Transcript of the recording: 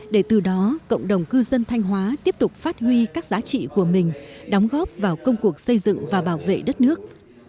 để từ đó cộng đồng cư dân thanh hóa tiếp tục phát huy các giá trị của mình đóng góp vào công cuộc xây dựng và bảo vệ đất nước